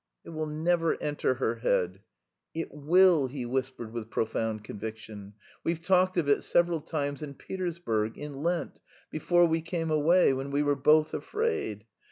"It will never enter her head." "It will," he whispered with profound conviction. "We've talked of it several times in Petersburg, in Lent, before we came away, when we were both afraid....